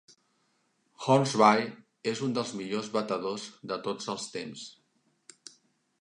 Hornsby és un dels millors batedors de tots els temps.